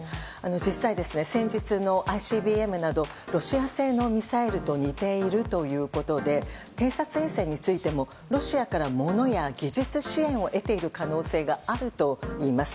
実際、戦時中のＩＣＢＭなどロシア製のミサイルと似ているということで偵察衛星についてもロシアからものや技術支援を得ている可能性があるといいます。